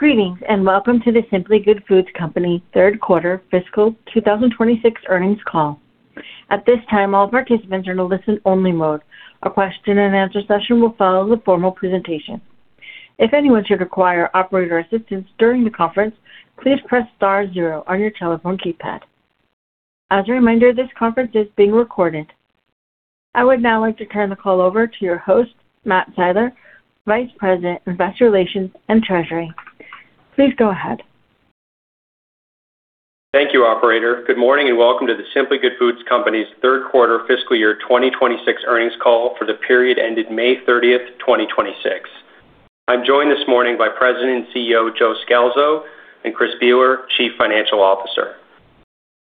Greetings, and welcome to The Simply Good Foods Company third quarter fiscal 2026 earnings call. At this time, all participants are in a listen-only mode. A question-and-answer session will follow the formal presentation. If anyone should require operator assistance during the conference, please press star zero on your telephone keypad. As a reminder, this conference is being recorded. I would now like to turn the call over to your host, Matt Siler, Vice President, Investor Relations and Treasury. Please go ahead. Thank you, operator. Good morning and welcome to The Simply Good Foods Company's third quarter fiscal year 2026 earnings call for the period ended May 30th, 2026. I'm joined this morning by President and CEO, Joe Scalzo, and Chris Bealer, Chief Financial Officer.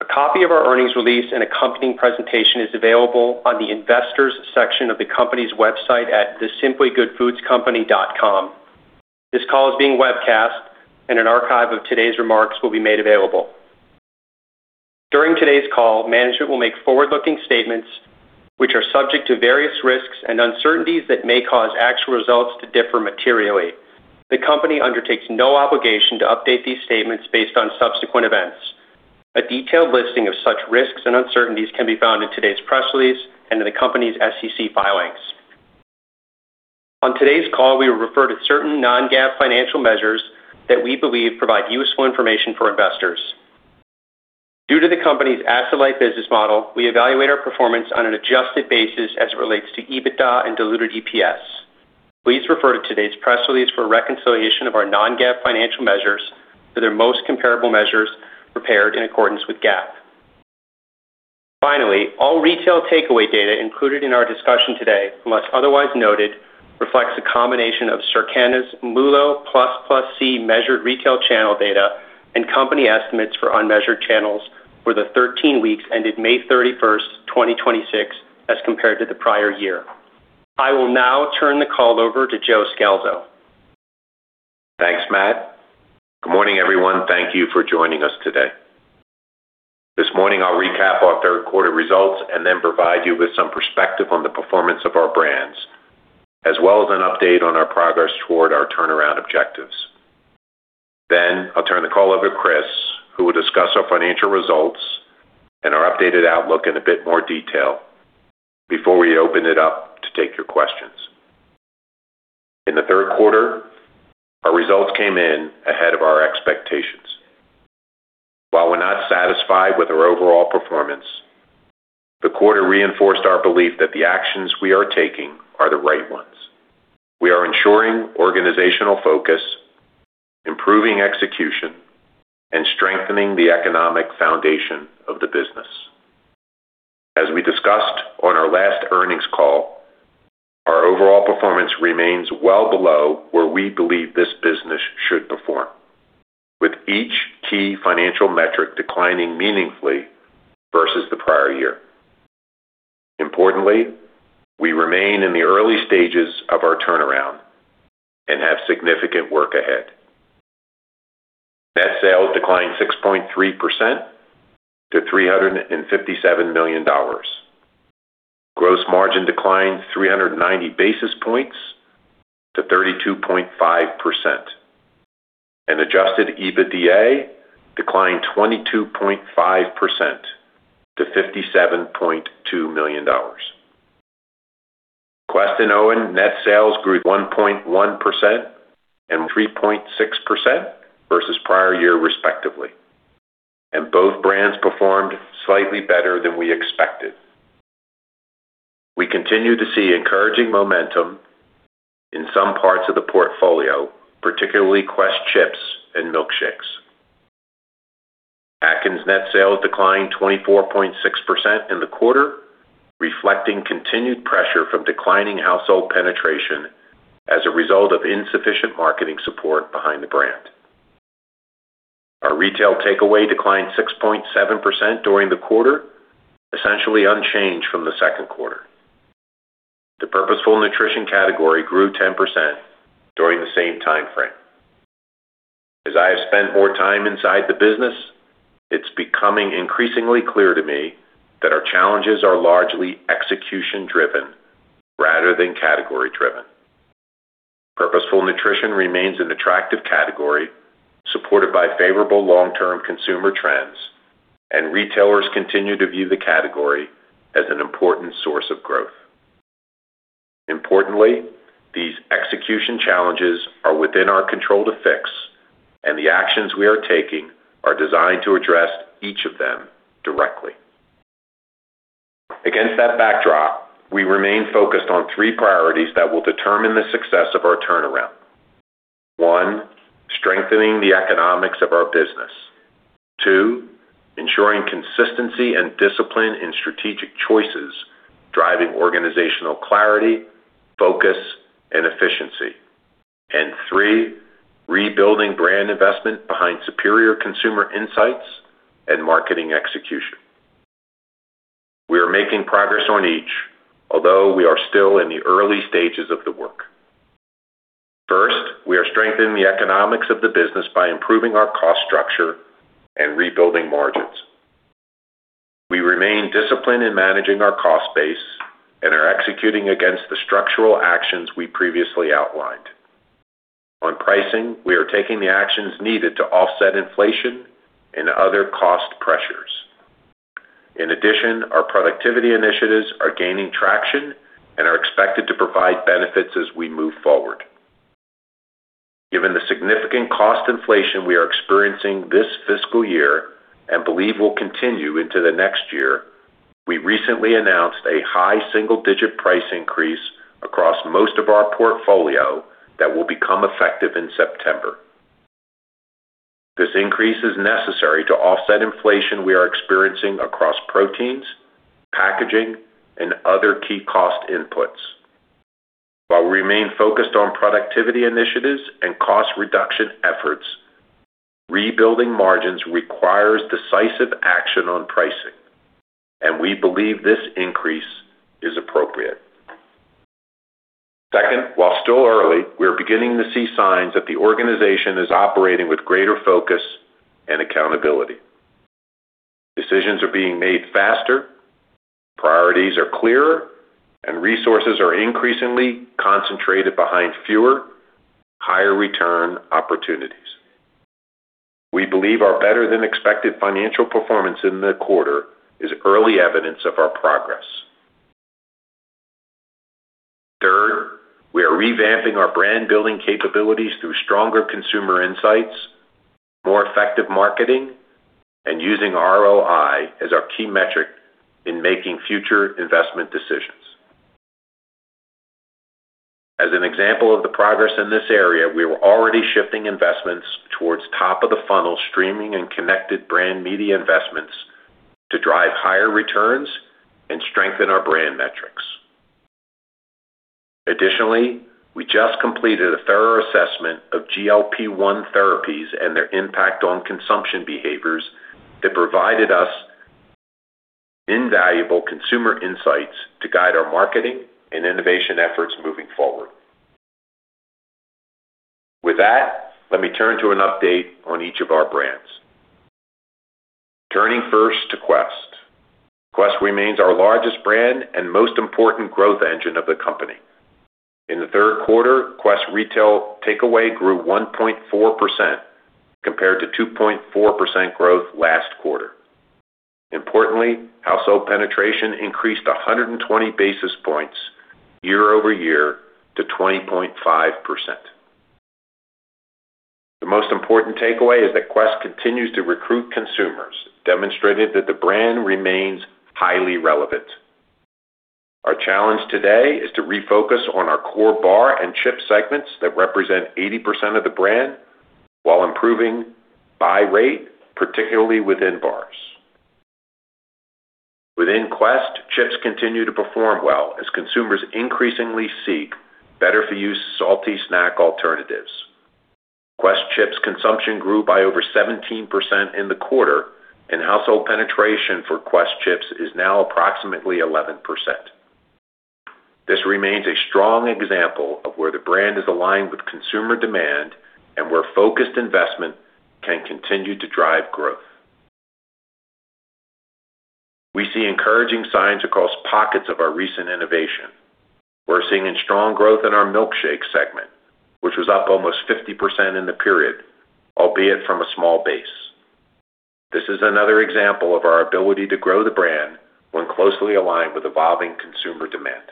A copy of our earnings release and accompanying presentation is available on the Investors section of the company's website at thesimplygoodfoodscompany.com. This call is being webcast and an archive of today's remarks will be made available. During today's call, management will make forward-looking statements which are subject to various risks and uncertainties that may cause actual results to differ materially. The company undertakes no obligation to update these statements based on subsequent events. A detailed listing of such risks and uncertainties can be found in today's press release and in the company's SEC filings. On today's call, we will refer to certain non-GAAP financial measures that we believe provide useful information for investors. Due to the company's asset-light business model, we evaluate our performance on an adjusted basis as it relates to EBITDA and diluted EPS. Please refer to today's press release for a reconciliation of our non-GAAP financial measures to their most comparable measures prepared in accordance with GAAP. Finally, all retail takeaway data included in our discussion today, unless otherwise noted, reflects a combination of Circana's MULO plus +C measured retail channel data and company estimates for unmeasured channels for the 13 weeks ended May 31st, 2026, as compared to the prior year. I will now turn the call over to Joe Scalzo. Thanks, Matt. Good morning, everyone. Thank you for joining us today. This morning, I'll recap our third quarter results and then provide you with some perspective on the performance of our brands, as well as an update on our progress toward our turnaround objectives. Then, I'll turn the call over to Chris, who will discuss our financial results and our updated outlook in a bit more detail before we open it up to take your questions. In the third quarter, our results came in ahead of our expectations. While we're not satisfied with our overall performance, the quarter reinforced our belief that the actions we are taking are the right ones. We are ensuring organizational focus, improving execution, and strengthening the economic foundation of the business. As we discussed on our last earnings call, our overall performance remains well below where we believe this business should perform, with each key financial metric declining meaningfully versus the prior year. Importantly, we remain in the early stages of our turnaround and have significant work ahead. Net sales declined 6.3% to $357 million. Gross margin declined 390 basis points to 32.5%, and adjusted EBITDA declined 22.5% to $57.2 million. Quest and OWYN net sales grew 1.1% and 3.6% versus prior year respectively, and both brands performed slightly better than we expected. We continue to see encouraging momentum in some parts of the portfolio, particularly Quest chips and milkshakes. Atkins net sales declined 24.6% in the quarter, reflecting continued pressure from declining household penetration as a result of insufficient marketing support behind the brand. Our retail takeaway declined 6.7% during the quarter, essentially unchanged from the second quarter. The purposeful nutrition category grew 10% during the same timeframe. As I have spent more time inside the business, it's becoming increasingly clear to me that our challenges are largely execution-driven rather than category-driven. Purposeful nutrition remains an attractive category supported by favorable long-term consumer trends, and retailers continue to view the category as an important source of growth. Importantly, these execution challenges are within our control to fix, and the actions we are taking are designed to address each of them directly. Against that backdrop, we remain focused on three priorities that will determine the success of our turnaround: one, strengthening the economics of our business; two, ensuring consistency and discipline in strategic choices, driving organizational clarity, focus, and efficiency; and three, rebuilding brand investment behind superior consumer insights and marketing execution. We are making progress on each, although we are still in the early stages of the work. First, we are strengthening the economics of the business by improving our cost structure and rebuilding margins. We remain disciplined in managing our cost base and are executing against the structural actions we previously outlined. On pricing, we are taking the actions needed to offset inflation and other cost pressures. In addition, our productivity initiatives are gaining traction and are expected to provide benefits as we move forward. Given the significant cost inflation we are experiencing this fiscal year and believe will continue into the next year, we recently announced a high single-digit price increase across most of our portfolio that will become effective in September. This increase is necessary to offset inflation we are experiencing across proteins, packaging, and other key cost inputs. While we remain focused on productivity initiatives and cost reduction efforts, rebuilding margins requires decisive action on pricing, and we believe this increase is appropriate. Second, while still early, we are beginning to see signs that the organization is operating with greater focus and accountability. Decisions are being made faster, priorities are clearer, and resources are increasingly concentrated behind fewer, higher return opportunities. We believe our better-than-expected financial performance in the quarter is early evidence of our progress. Third, we are revamping our brand-building capabilities through stronger consumer insights, more effective marketing, and using ROI as our key metric in making future investment decisions. As an example of the progress in this area, we were already shifting investments towards top of the funnel streaming and connected brand media investments to drive higher returns and strengthen our brand metrics. Additionally, we just completed a thorough assessment of GLP-1 therapies and their impact on consumption behaviors that provided us invaluable consumer insights to guide our marketing and innovation efforts moving forward. With that, let me turn to an update on each of our brands. Turning first to Quest. Quest remains our largest brand and most important growth engine of the company. In the third quarter, Quest retail takeaway grew 1.4% compared to 2.4% growth last quarter. Importantly, household penetration increased 120 basis points year-over-year to 20.5%. The most important takeaway is that Quest continues to recruit consumers, demonstrating that the brand remains highly relevant. Our challenge today is to refocus on our core bar and chip segments that represent 80% of the brand while improving buy rate, particularly within bars. Within Quest, chips continue to perform well as consumers increasingly seek better for you salty snack alternatives. Quest chips consumption grew by over 17% in the quarter, and household penetration for Quest chips is now approximately 11%. This remains a strong example of where the brand is aligned with consumer demand and where focused investment can continue to drive growth. We see encouraging signs across pockets of our recent innovation. We're seeing strong growth in our milkshake segment, which was up almost 50% in the period, albeit from a small base. This is another example of our ability to grow the brand when closely aligned with evolving consumer demand.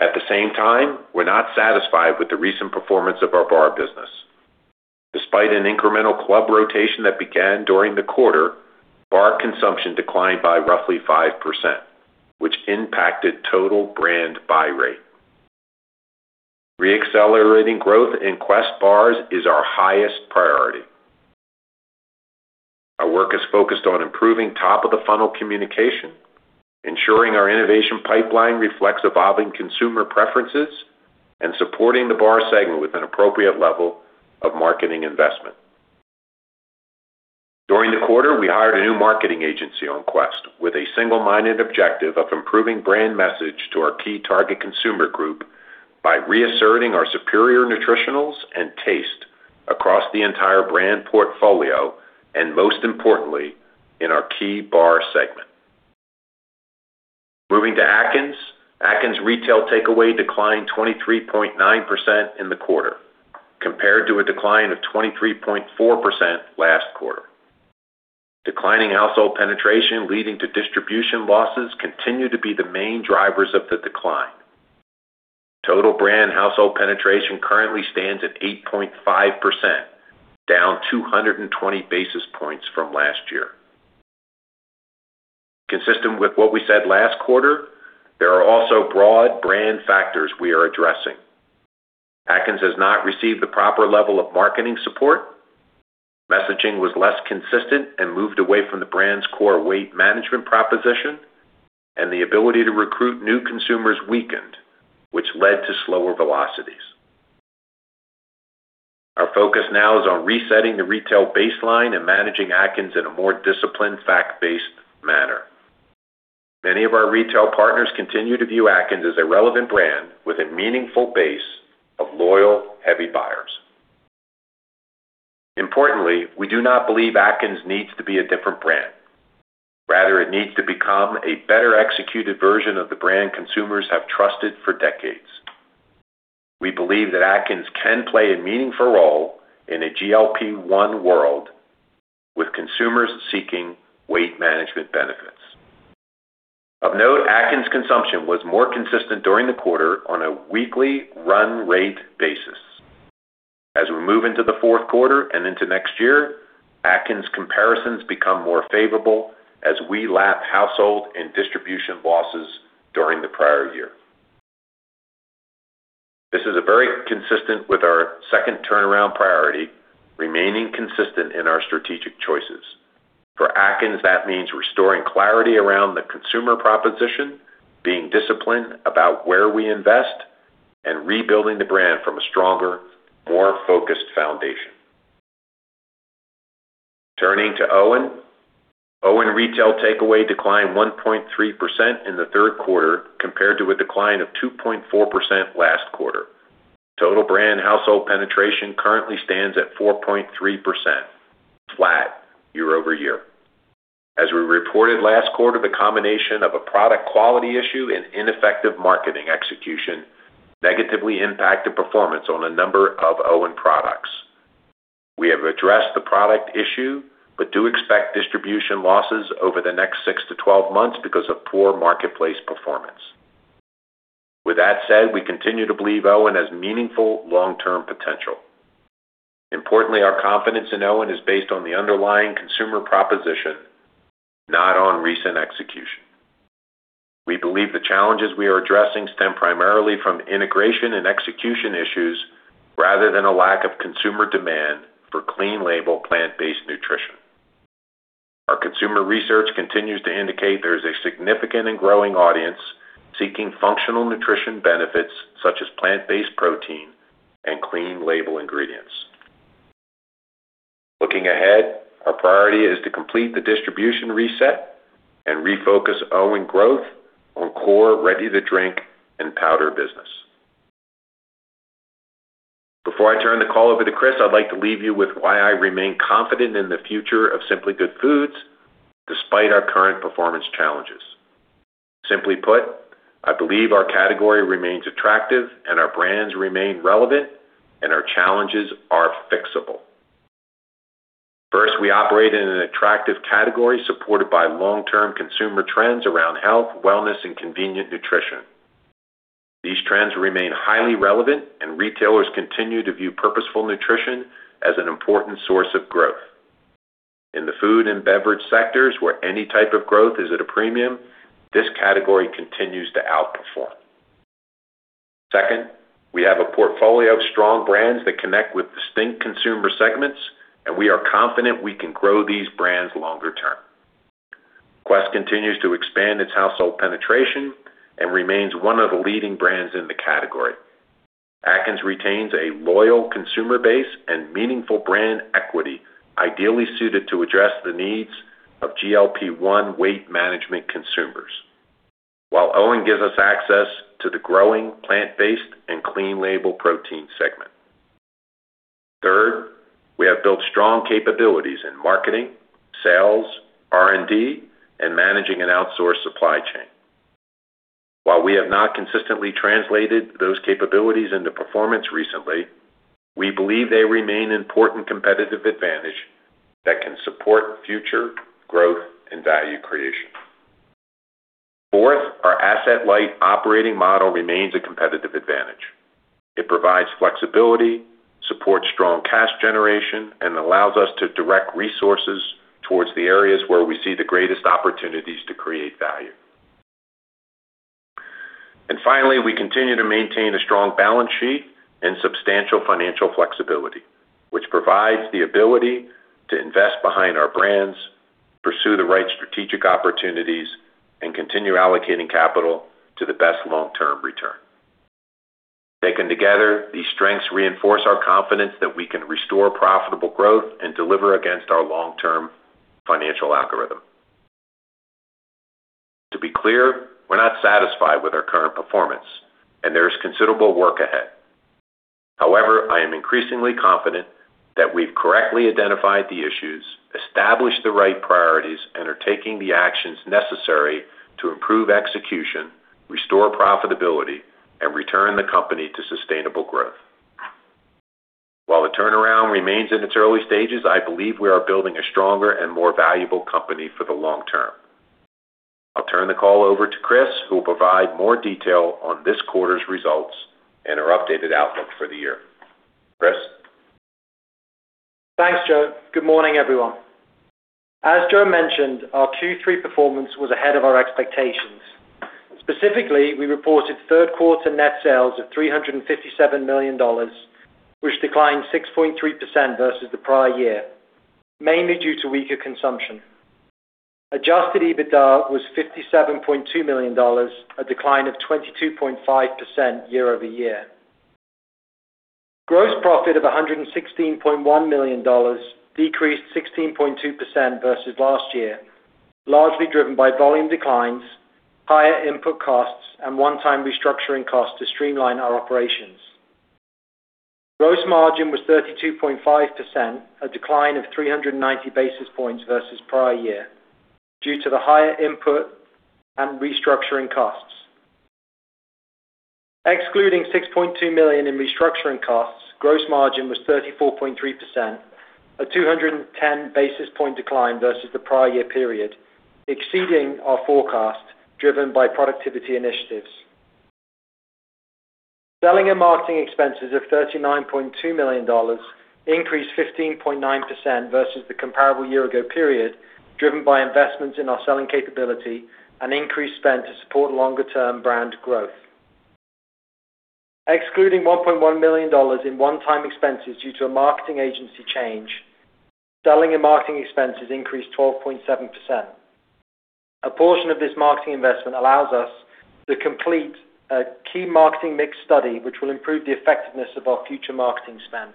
At the same time, we're not satisfied with the recent performance of our bar business. Despite an incremental club rotation that began during the quarter, bar consumption declined by roughly 5%, which impacted total brand buy rate. Re-accelerating growth in Quest bars is our highest priority. Our work is focused on improving top of the funnel communication, ensuring our innovation pipeline reflects evolving consumer preferences, and supporting the bar segment with an appropriate level of marketing investment. During the quarter, we hired a new marketing agency on Quest with a single-minded objective of improving brand message to our key target consumer group by reasserting our superior nutritionals and taste across the entire brand portfolio, and most importantly, in our key bar segment. Moving to Atkins. Atkins retail takeaway declined 23.9% in the quarter compared to a decline of 23.4% last quarter. Declining household penetration leading to distribution losses continue to be the main drivers of the decline. Total brand household penetration currently stands at 8.5%, down 220 basis points from last year. Consistent with what we said last quarter, there are also broad brand factors we are addressing: Atkins has not received the proper level of marketing support; messaging was less consistent and moved away from the brand's core weight management proposition; and the ability to recruit new consumers weakened, which led to slower velocities. Our focus now is on resetting the retail baseline and managing Atkins in a more disciplined, fact-based manner. Many of our retail partners continue to view Atkins as a relevant brand with a meaningful base of loyal heavy buyers. Importantly, we do not believe Atkins needs to be a different brand. Rather, it needs to become a better executed version of the brand consumers have trusted for decades. We believe that Atkins can play a meaningful role in a GLP-1 world with consumers seeking weight management benefits. Of note, Atkins consumption was more consistent during the quarter on a weekly run rate basis. As we move into the fourth quarter and into next year, Atkins comparisons become more favorable as we lap household and distribution losses during the prior year. This is very consistent with our second turnaround priority, remaining consistent in our strategic choices. For Atkins, that means restoring clarity around the consumer proposition, being disciplined about where we invest, and rebuilding the brand from a stronger, more focused foundation. Turning to OWYN. OWYN retail takeaway declined 1.3% in the third quarter compared to a decline of 2.4% last quarter. Total brand household penetration currently stands at 4.3%, flat year-over-year. As we reported last quarter, the combination of a product quality issue and ineffective marketing execution negatively impacted performance on a number of OWYN products. We have addressed the product issue but do expect distribution losses over the next 6-12 months because of poor marketplace performance. With that said, we continue to believe OWYN has meaningful long-term potential. Importantly, our confidence in OWYN is based on the underlying consumer proposition, not on recent execution. We believe the challenges we are addressing stem primarily from integration and execution issues rather than a lack of consumer demand for clean label plant-based nutrition. Our consumer research continues to indicate there is a significant and growing audience seeking functional nutrition benefits such as plant-based protein and clean label ingredients. Looking ahead, our priority is to complete the distribution reset and refocus OWYN growth on core ready-to-drink and powder business. Before I turn the call over to Chris, I'd like to leave you with why I remain confident in the future of Simply Good Foods, despite our current performance challenges. Simply put, I believe our category remains attractive and our brands remain relevant, and our challenges are fixable. First, we operate in an attractive category supported by long-term consumer trends around health, wellness, and convenient nutrition. These trends remain highly relevant, and retailers continue to view purposeful nutrition as an important source of growth. In the food and beverage sectors, where any type of growth is at a premium, this category continues to outperform. Second, we have a portfolio of strong brands that connect with distinct consumer segments, and we are confident we can grow these brands longer term. Quest continues to expand its household penetration and remains one of the leading brands in the category. Atkins retains a loyal consumer base and meaningful brand equity, ideally suited to address the needs of GLP-1 weight management consumers, while OWYN gives us access to the growing plant-based and clean label protein segment. Third, we have built strong capabilities in marketing, sales, R&D, and managing an outsourced supply chain. While we have not consistently translated those capabilities into performance recently, we believe they remain important competitive advantage that can support future growth and value creation. Fourth, our asset-light operating model remains a competitive advantage. It provides flexibility, supports strong cash generation, and allows us to direct resources towards the areas where we see the greatest opportunities to create value. And finally, we continue to maintain a strong balance sheet and substantial financial flexibility, which provides the ability to invest behind our brands, pursue the right strategic opportunities, and continue allocating capital to the best long-term return. Taken together, these strengths reinforce our confidence that we can restore profitable growth and deliver against our long-term financial algorithm. To be clear, we're not satisfied with our current performance, and there is considerable work ahead. However, I am increasingly confident that we've correctly identified the issues, established the right priorities, and are taking the actions necessary to improve execution, restore profitability, and return the company to sustainable growth. While the turnaround remains in its early stages, I believe we are building a stronger and more valuable company for the long term. I'll turn the call over to Chris, who will provide more detail on this quarter's results and our updated outlook for the year. Chris? Thanks, Joe. Good morning, everyone. As Joe mentioned, our Q3 performance was ahead of our expectations. Specifically, we reported third quarter net sales of $357 million, which declined 6.3% versus the prior year, mainly due to weaker consumption. Adjusted EBITDA was $57.2 million, a decline of 22.5% year-over-year. Gross profit of $116.1 million decreased 16.2% versus last year, largely driven by volume declines, higher input costs, and one-time restructuring costs to streamline our operations. Gross margin was 32.5%, a decline of 390 basis points versus prior year due to the higher input and restructuring costs. Excluding $6.2 million in restructuring costs, gross margin was 34.3%, a 210 basis point decline versus the prior year period, exceeding our forecast driven by productivity initiatives. Selling and marketing expenses of $39.2 million increased 15.9% versus the comparable year-ago period, driven by investments in our selling capability and increased spend to support longer-term brand growth. Excluding $1.1 million in one-time expenses due to a marketing agency change, selling and marketing expenses increased 12.7%. A portion of this marketing investment allows us to complete a key marketing mix study, which will improve the effectiveness of our future marketing spend.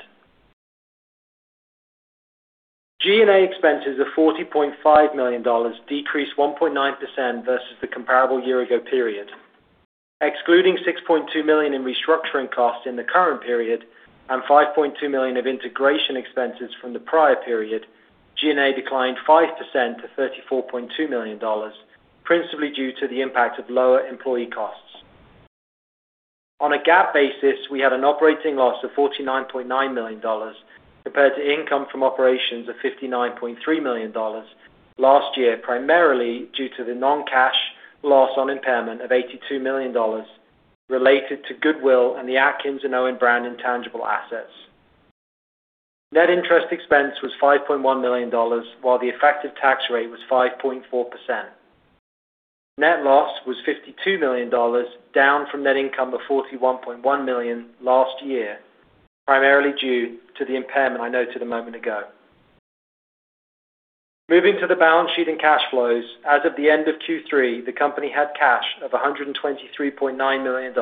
G&A expenses of $40.5 million decreased 1.9% versus the comparable year-ago period. Excluding $6.2 million in restructuring costs in the current period and $5.2 million of integration expenses from the prior period, G&A declined 5% to $34.2 million, principally due to the impact of lower employee costs. On a GAAP basis, we had an operating loss of $49.9 million compared to income from operations of $59.3 million last year, primarily due to the non-cash loss on impairment of $82 million related to goodwill and the Atkins and OWYN brand intangible assets. Net interest expense was $5.1 million, while the effective tax rate was 5.4%. Net loss was $52 million, down from net income of $41.1 million last year, primarily due to the impairment I noted a moment ago. Moving to the balance sheet and cash flows, as of the end of Q3, the company had cash of $123.9 million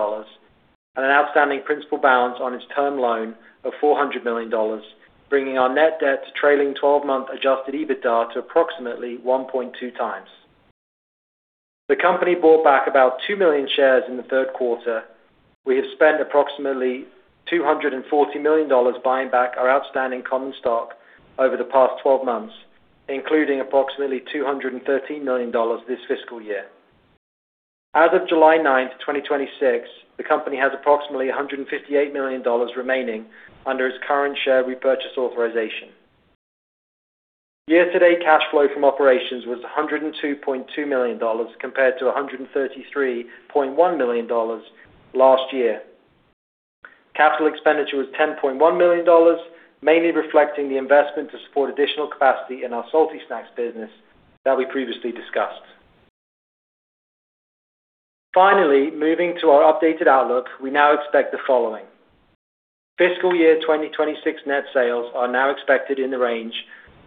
and an outstanding principal balance on its term loan of $400 million, bringing our net debt to trailing 12-month adjusted EBITDA to approximately 1.2x. The company bought back about 2 million shares in the third quarter. We have spent approximately $240 million buying back our outstanding common stock over the past 12 months, including approximately $213 million this fiscal year. As of July 9th, 2026, the company has approximately $158 million remaining under its current share repurchase authorization. Year-to-date cash flow from operations was $102.2 million, compared to $133.1 million last year. Capital expenditure was $10.1 million, mainly reflecting the investment to support additional capacity in our salty snacks business that we previously discussed. Finally, moving to our updated outlook, we now expect the following. Fiscal year 2026 net sales are now expected in the range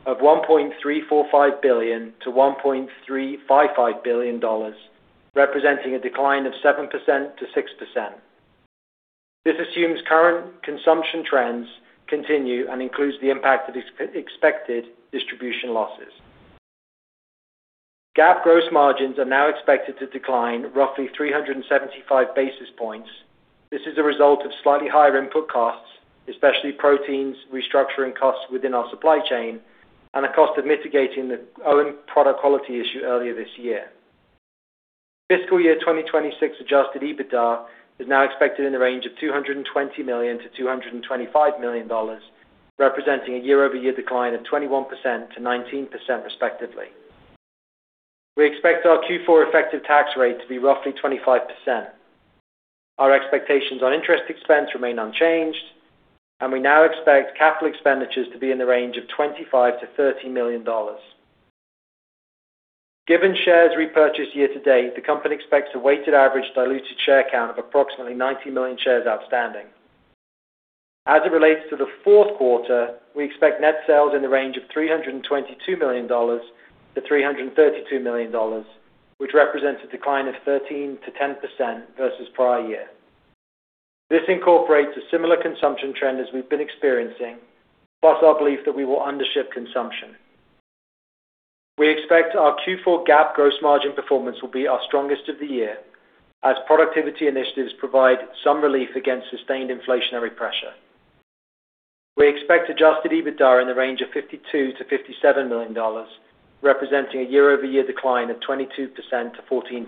of $1.345 billion-$1.355 billion, representing a decline of 7%-6%. This assumes current consumption trends continue and includes the impact of expected distribution losses. GAAP gross margins are now expected to decline roughly 375 basis points. This is a result of slightly higher input costs, especially proteins, restructuring costs within our supply chain, and the cost of mitigating the OWYN product quality issue earlier this year. Fiscal year 2026 adjusted EBITDA is now expected in the range of $220 million-$225 million, representing a year-over-year decline of 21%-19% respectively. We expect our Q4 effective tax rate to be roughly 25%. Our expectations on interest expense remain unchanged, and we now expect capital expenditures to be in the range of $25 million-$30 million. Given shares repurchased year-to-date, the company expects a weighted average diluted share count of approximately 90 million shares outstanding. As it relates to the fourth quarter, we expect net sales in the range of $322 million-$332 million, which represents a decline of 13%-10% versus prior year. This incorporates a similar consumption trend as we've been experiencing, plus our belief that we will undership consumption. We expect our Q4 GAAP gross margin performance will be our strongest of the year as productivity initiatives provide some relief against sustained inflationary pressure. We expect adjusted EBITDA in the range of $52 million-$57 million, representing a year-over-year decline of 22%-14%.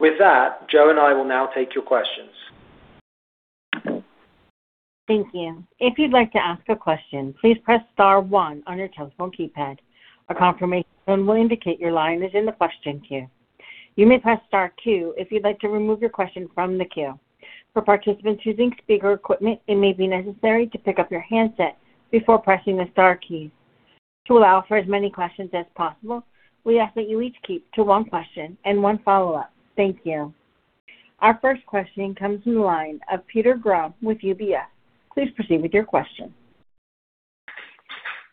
With that, Joe and I will now take your questions. Thank you. If you'd like to ask a question, please press star one on your telephone keypad. A confirmation tone will indicate your line is in the question queue. You may press star two if you'd like to remove your question from the queue. For participants using speaker equipment, it may be necessary to pick up your handset before pressing the star keys. To allow for as many questions as possible, we ask that you each keep to one question and one follow-up. Thank you. Our first question comes from the line of Peter Grom with UBS. Please proceed with your question.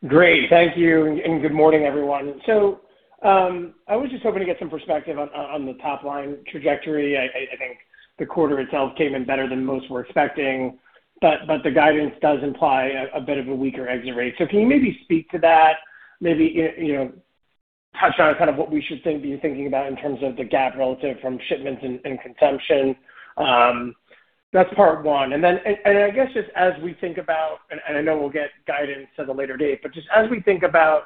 Great. Thank you, and good morning, everyone. So, I was just hoping to get some perspective on the top-line trajectory. I think the quarter itself came in better than most were expecting, but the guidance does imply a bit of a weaker exit rate. Can you maybe speak to that? Maybe touch on kind of what we should be thinking about in terms of the gap relative from shipments and consumption? That's part one. Then, I guess, just as we think about, and I know we'll get guidance at a later date, but just as we think about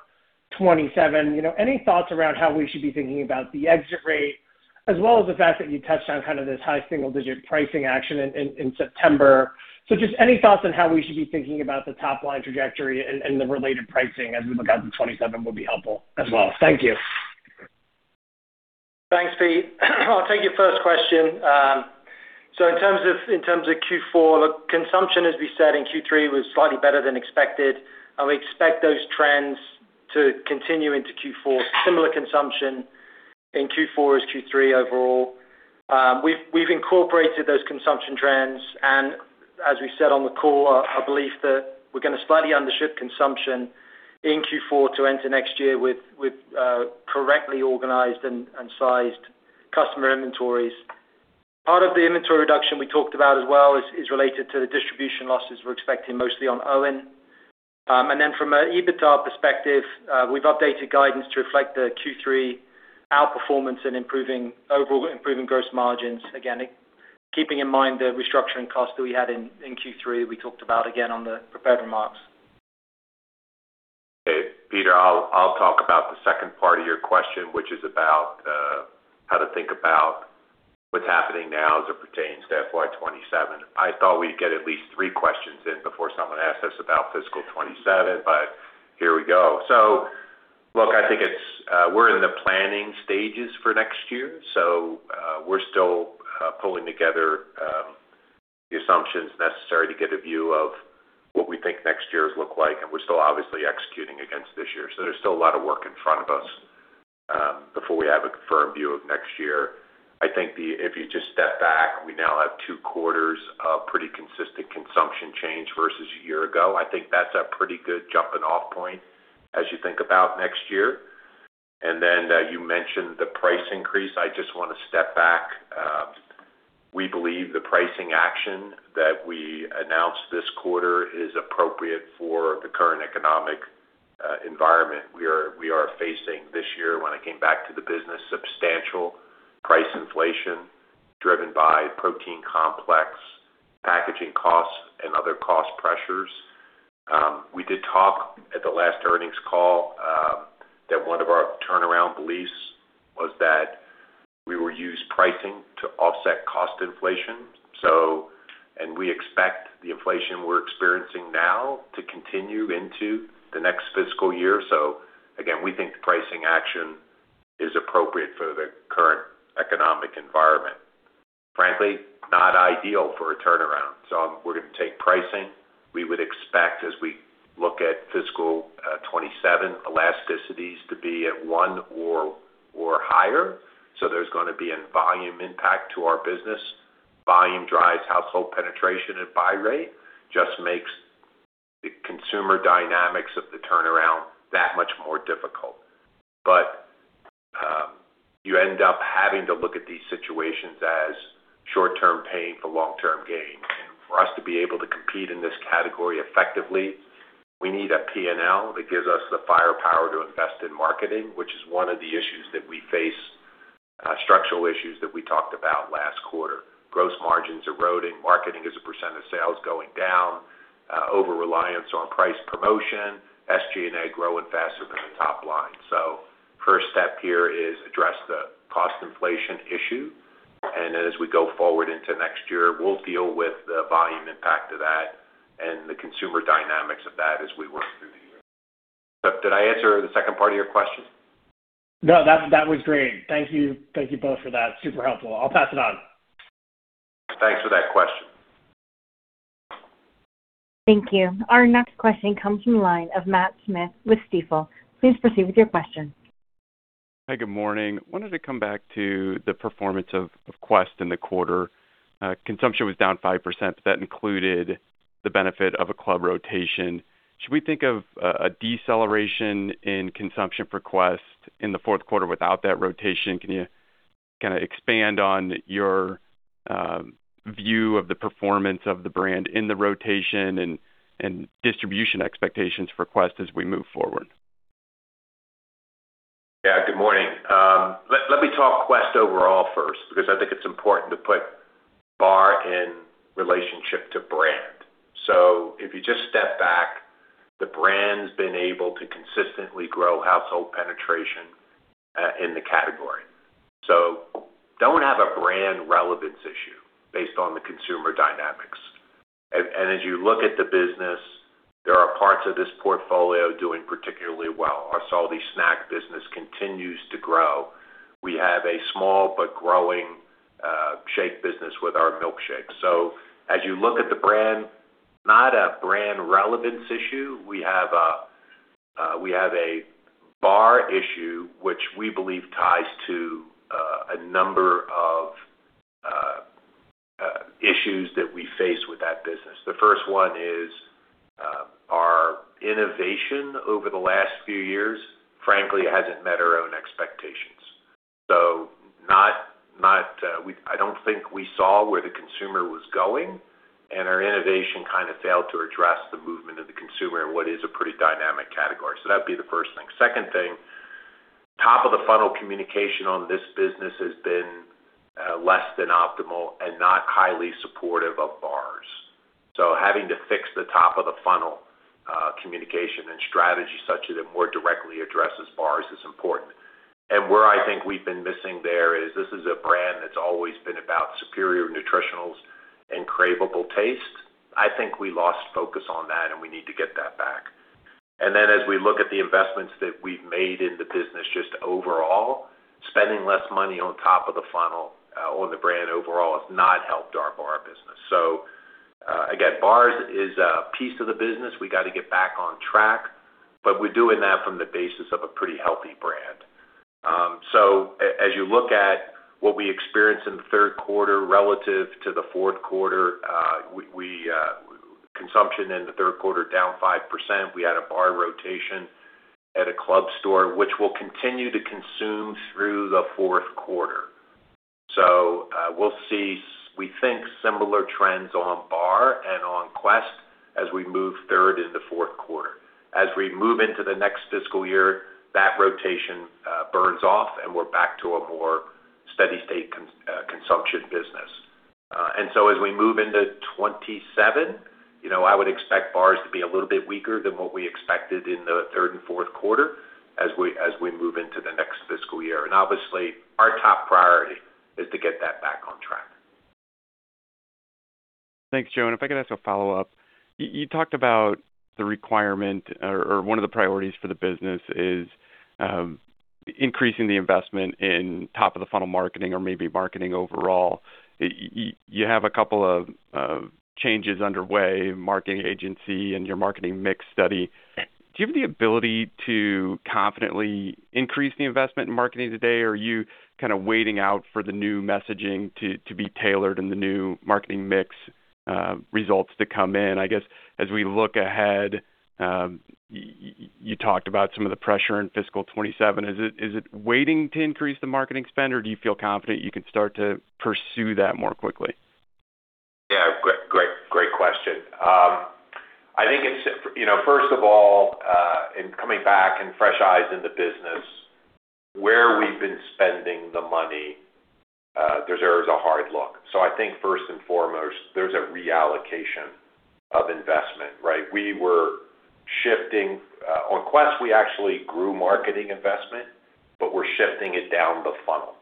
2027, any thoughts around how we should be thinking about the exit rate as well as the fact that you touched on kind of this high single-digit pricing action in September? Just any thoughts on how we should be thinking about the top-line trajectory and the related pricing as we look out to 2027 would be helpful as well. Thank you. Thanks, Pete. I'll take your first question. In terms of Q4, look, consumption, as we said in Q3, was slightly better than expected, and we expect those trends to continue into Q4. Similar consumption in Q4 as Q3 overall. We've incorporated those consumption trends, and as we said on the call, our belief that we're going to slightly undership consumption in Q4 to enter next year with correctly organized and sized customer inventories. Part of the inventory reduction we talked about as well is related to the distribution losses we're expecting mostly on OWYN. Then from an EBITDA perspective, we've updated guidance to reflect the Q3 outperformance and overall improving gross margins. Again, keeping in mind the restructuring costs that we had in Q3 we talked about again on the prepared remarks. Peter, I'll talk about the second part of your question, which is about how to think about what's happening now as it pertains to FY 2027. I thought we'd get at least three questions in before someone asked us about fiscal 2027, but here we go. Look, I think we're in the planning stages for next year, so we're still pulling together the assumptions necessary to get a view of what we think next year looks like, and we're still obviously executing against this year. So, there's still a lot of work in front of us before we have a confirmed view of next year. I think if you just step back, we now have two quarters of pretty consistent consumption change versus a year ago. I think that's a pretty good jumping-off point as you think about next year. Then, you mentioned the price increase. I just want to step back. We believe the pricing action that we announced this quarter is appropriate for the current economic environment we are facing this year. When I came back to the business, substantial price inflation driven by protein complex packaging costs and other cost pressures. We did talk at the last earnings call that one of our turnaround beliefs was that we will use pricing to offset cost inflation, and we expect the inflation we're experiencing now to continue into the next fiscal year. So, again, we think the pricing action is appropriate for the current economic environment. Frankly, not ideal for a turnaround, so we're going to take pricing. We would expect, as we look at fiscal 2027 elasticities to be at one or higher, so there's going to be a volume impact to our business. Volume drives household penetration and buy rate, just makes the consumer dynamics of the turnaround that much more difficult. But you end up having to look at these situations as short-term pain for long-term gain. For us to be able to compete in this category effectively, we need a P&L that gives us the firepower to invest in marketing, which is one of the issues that we face, structural issues that we talked about last quarter. Gross margins eroding, marketing as a percent of sales going down, overreliance on price promotion, SG&A growing faster than the top line. The first step here is to address the cost inflation issue. And as we go forward into next year, we'll deal with the volume impact of that and the consumer dynamics of that as we work through the year. Did I answer the second part of your question? No, that was great. Thank you both for that. Super helpful. I'll pass it on. Thanks for that question. Thank you. Our next question comes from the line of Matt Smith with Stifel. Please proceed with your question. Hi, good morning. Wanted to come back to the performance of Quest in the quarter. Consumption was down 5%, that included the benefit of a club rotation. Should we think of a deceleration in consumption for Quest in the fourth quarter without that rotation? Can you kind of expand on your view of the performance of the brand in the rotation and distribution expectations for Quest as we move forward? Yeah. Good morning. Let me talk Quest overall first, because I think it's important to put bar in relationship to brand. If you just step back, the brand's been able to consistently grow household penetration in the category. So, don't have a brand relevance issue based on the consumer dynamics. As you look at the business, there are parts of this portfolio doing particularly well. Our salty snack business continues to grow. We have a small but growing shake business with our milkshakes. As you look at the brand, not a brand relevance issue. We have a bar issue which we believe ties to a number of issues that we face with that business. The first one is our innovation over the last few years, frankly, hasn't met our own expectations. I don't think we saw where the consumer was going, and our innovation kind of failed to address the movement of the consumer in what is a pretty dynamic category. That'd be the first thing. Second thing, top of the funnel communication on this business has been less than optimal and not highly supportive of bars. So, having to fix the top of the funnel communication and strategy such that it more directly addresses bars is important. Where I think we've been missing there is this is a brand that's always been about superior nutritionals and craveable taste. I think we lost focus on that, and we need to get that back. And as we look at the investments that we've made in the business, just overall, spending less money on top of the funnel on the brand overall has not helped our bar business. Again, bars is a piece of the business. We got to get back on track, but we're doing that from the basis of a pretty healthy brand. As you look at what we experienced in the third quarter relative to the fourth quarter, consumption in the third quarter down 5%. We had a bar rotation at a club store, which we'll continue to consume through the fourth quarter. So, we'll see, we think, similar trends on bar and on Quest as we move third into fourth quarter. As we move into the next fiscal year, that rotation burns off, and we're back to a more steady state consumption business. As we move into 2027, I would expect bars to be a little bit weaker than what we expected in the third and fourth quarter as we move into the next fiscal year. Obviously, our top priority is to get that back on track. Thanks, Joe. If I could ask a follow-up. You talked about the requirement or one of the priorities for the business is increasing the investment in top of the funnel marketing or maybe marketing overall. You have a couple of changes underway, marketing agency and your marketing mix study. Do you have the ability to confidently increase the investment in marketing today, or are you kind of waiting out for the new messaging to be tailored and the new marketing mix results to come in? I guess, as we look ahead, you talked about some of the pressure in fiscal 2027, is it waiting to increase the marketing spend, or do you feel confident you can start to pursue that more quickly? Yeah, great question. I think it's, first of all, in coming back and fresh eyes in the business, where we've been spending the money deserves a hard look. So, I think first and foremost, there's a reallocation of investment, right? We were shifting, on Quest, we actually grew marketing investment, but we're shifting it down the funnel.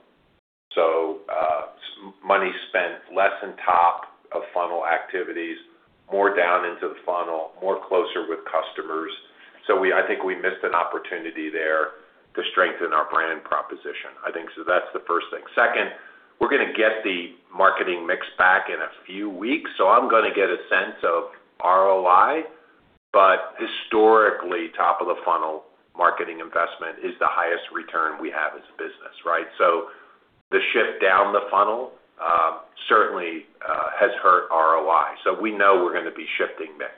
Money spent less in top of funnel activities, more down into the funnel, more closer with customers. I think we missed an opportunity there to strengthen our brand proposition, I think. So, that's the first thing. Second, we're going to get the marketing mix back in a few weeks, so I'm going to get a sense of ROI, but historically, top of the funnel marketing investment is the highest return we have as a business, right? The shift down the funnel certainly has hurt ROI. So, we know we're going to be shifting mix.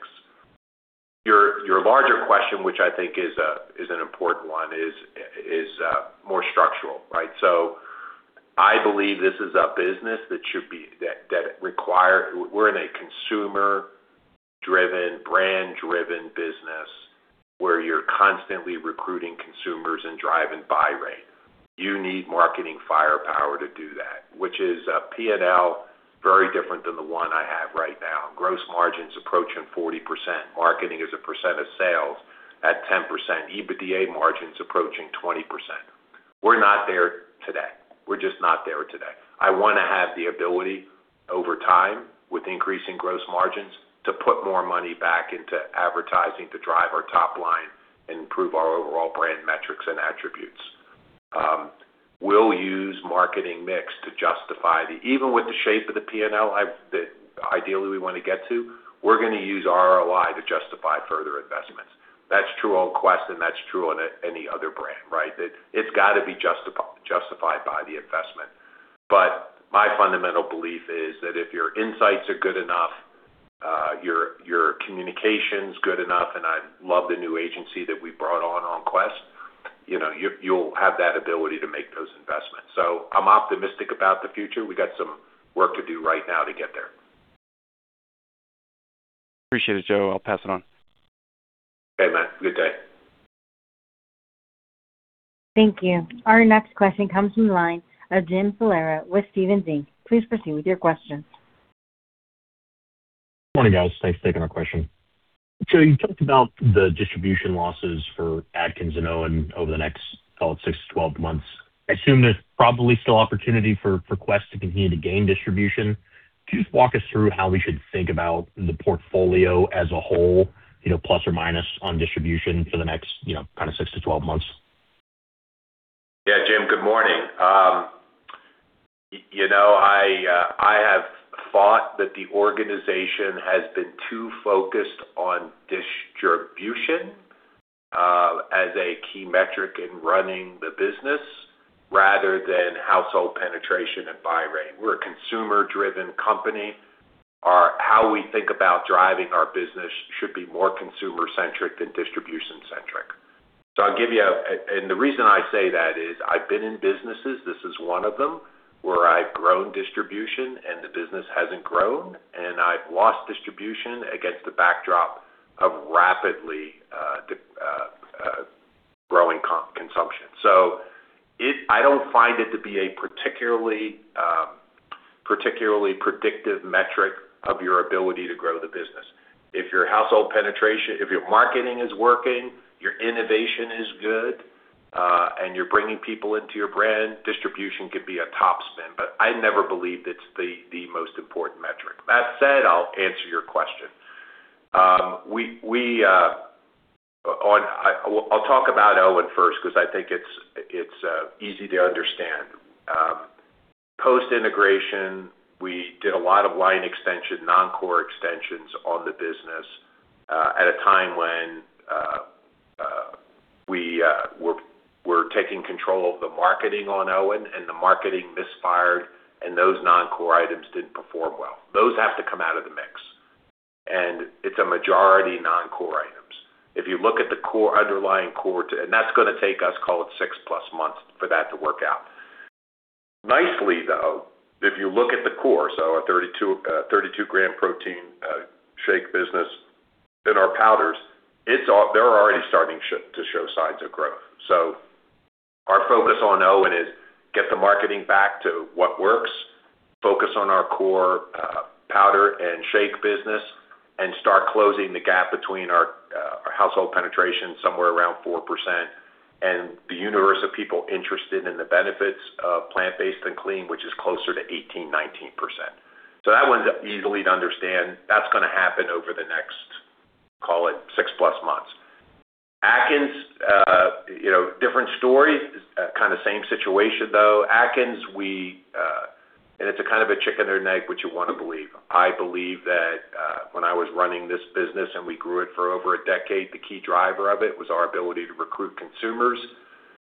Your larger question, which I think is an important one, is more structural, right? I believe this is a business that we're in a consumer-driven, brand-driven business, where you're constantly recruiting consumers and driving buy rate. You need marketing firepower to do that, which is a P&L very different than the one I have right now. Gross margins approaching 40%. Marketing as a percent of sales at 10%. EBITDA margins approaching 20%. We're not there today. We're just not there today. I want to have the ability over time, with increasing gross margins, to put more money back into advertising to drive our top line and improve our overall brand metrics and attributes. We'll use marketing mix to justify even with the shape of the P&L that ideally we want to get to, we're going to use ROI to justify further investments. That's true on Quest, and that's true on any other brand, right? That it's got to be justified by the investment. But my fundamental belief is that if your insights are good enough, your communication's good enough, and I love the new agency that we brought on on Quest, you'll have that ability to make those investments. I'm optimistic about the future. We've got some work to do right now to get there. Appreciate it, Joe. I'll pass it on. Okay, Matt. Good day. Thank you. Our next question comes from the line of Jim Salera with Stephens Inc. Please proceed with your question. Morning, guys. Thanks for taking our question. Joe, you talked about the distribution losses for Atkins and OWYN over the next, call it 6-12 months. I assume there's probably still opportunity for Quest to continue to gain distribution. Can you just walk us through how we should think about the portfolio as a whole, plus or minus on distribution for the next kind of 6-12 months? Yeah. Jim, good morning. I have thought that the organization has been too focused on distribution as a key metric in running the business rather than household penetration and buy rate. We're a consumer-driven company. How we think about driving our business should be more consumer-centric than distribution-centric. The reason I say that is I've been in businesses, this is one of them, where I've grown distribution and the business hasn't grown, and I've lost distribution against the backdrop of rapidly growing consumption. I don't find it to be a particularly predictive metric of your ability to grow the business. If your household penetration, if your marketing is working, your innovation is good, and you're bringing people into your brand, distribution could be a top spin, but I never believed it's the most important metric. That said, I'll answer your question. I'll talk about OWYN first because I think it's easy to understand. Post-integration, we did a lot of line extension, non-core extensions on the business, at a time when we were taking control of the marketing on OWYN, and the marketing misfired, and those non-core items didn't perform well. Those have to come out of the mix, and it's a majority non-core items. If you look at the core, underlying core, and that's going to take us, call it six-plus months, for that to work out. Nicely, though, if you look at the core, our 32-g protein shake business and our powders, they're already starting to show signs of growth. Our focus on OWYN is get the marketing back to what works, focus on our core powder and shake business, and start closing the gap between our household penetration, somewhere around 4%, and the universe of people interested in the benefits of plant-based and clean, which is closer to 18%, 19%. That one's easy to understand. That's going to happen over the next, call it six-plus months. Atkins, different story, kind of same situation, though. Atkins, it's a kind of a chicken or an egg what you want to believe. I believe that when I was running this business and we grew it for over a decade, the key driver of it was our ability to recruit consumers,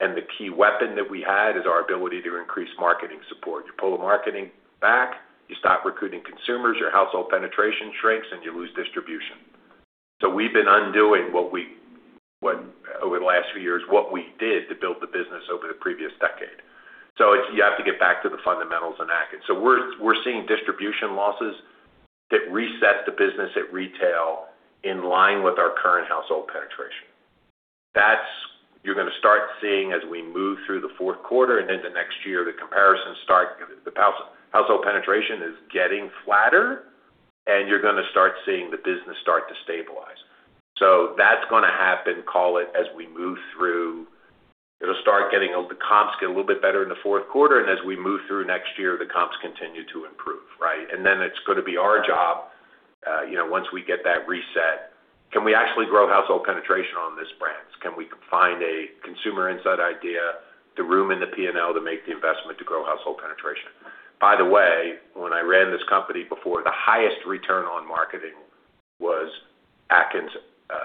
and the key weapon that we had is our ability to increase marketing support. You pull the marketing back, you stop recruiting consumers, your household penetration shrinks, you lose distribution. We've been undoing, over the last few years, what we did to build the business over the previous decade. So, you have to get back to the fundamentals in Atkins. We're seeing distribution losses that reset the business at retail in line with our current household penetration. That, you're going to start seeing as we move through the fourth quarter and into next year, the household penetration is getting flatter, and you're going to start seeing the business start to stabilize. That's going to happen, call it as we move through, it'll start getting the comps get a little bit better in the fourth quarter, and as we move through next year, the comps continue to improve. Right? Then, it's going to be our job, once we get that reset, can we actually grow household penetration on these brands? Can we find a consumer insight idea, the room in the P&L to make the investment to grow household penetration? By the way, when I ran this company before, the highest return on marketing was Atkins'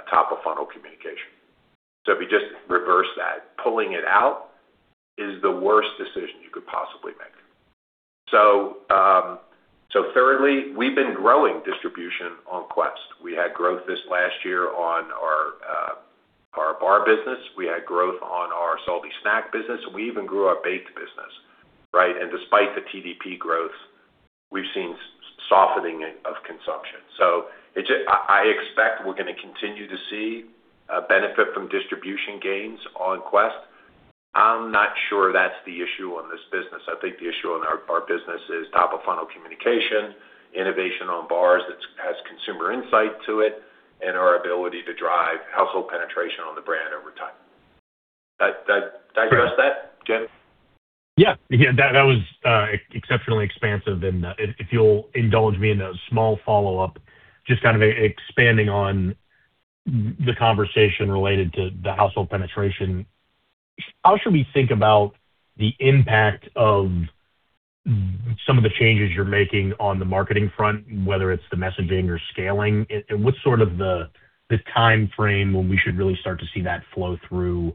top-of-funnel communication. If you just reverse that, pulling it out is the worst decision you could possibly make. Thirdly, we've been growing distribution on Quest. We had growth this last year on our bar business. We had growth on our salty snack business. We even grew our baked business. Right? Despite the TDP growth, we've seen softening of consumption. I expect we're going to continue to see a benefit from distribution gains on Quest. I'm not sure that's the issue on this business. I think the issue on our business is top-of-funnel communication, innovation on bars that has consumer insight to it, our ability to drive household penetration on the brand over time. Did I address that, Jim? Yeah. That was exceptionally expansive, and if you'll indulge me in a small follow-up, just kind of expanding on the conversation related to the household penetration. How should we think about the impact of some of the changes you're making on the marketing front, whether it's the messaging or scaling? What's sort of the timeframe when we should really start to see that flow through